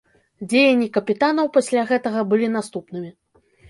Дзеянні капітанаў пасля гэтага былі наступнымі.